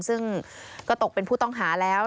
ซึ่งก็ตกเป็นผู้ต้องหาแล้ว